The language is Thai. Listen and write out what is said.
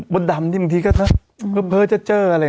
ดดำนี่บางทีก็เพ้อเจออะไร